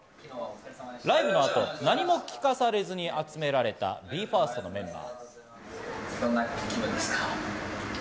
ライブの後、何も聞かされずに集められたＢＥ：ＦＩＲＳＴのメンバー。